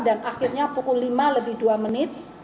dan akhirnya pukul lima lebih dua menit